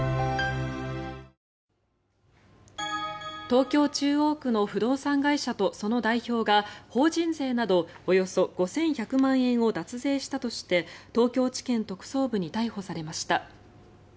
東京・中央区の不動産会社とその代表が法人税などおよそ５１００万円を脱税したとして東京地検特捜部に逮捕されました。